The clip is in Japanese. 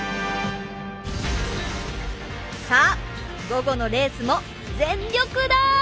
さあ午後のレースも全力だ！